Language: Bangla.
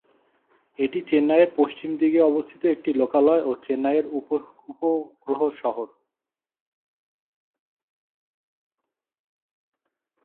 এটি চেন্নাইয়ের পশ্চিম দিকে অবস্থিত একটি লোকালয় ও চেন্নাইয়ের উপগ্রহ শহর।